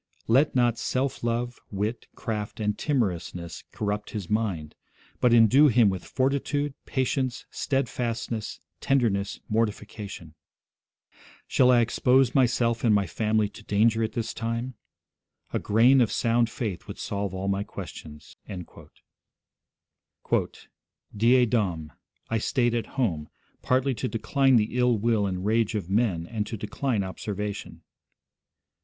. Let not self love, wit, craft, and timorousness corrupt his mind, but indue him with fortitude, patience, steadfastness, tenderness, mortification ... Shall I expose myself and my family to danger at this time? A grain of sound faith would solve all my questions.' 'Die Dom. I stayed at home, partly to decline the ill will and rage of men and to decline observation.'